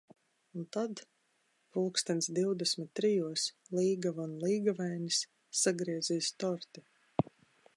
Un tad, pulkstens divdesmit trijos, līgava un līgavainis sagriezīs torti.